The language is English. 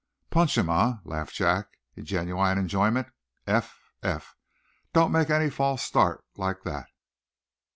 "Punch him, eh?" laughed Jack in genuine enjoyment. "Eph! Eph! Don't make any false start like that!"